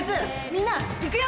みんな行くよ！